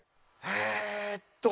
えーっと。